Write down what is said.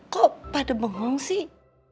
kok pada bengong sih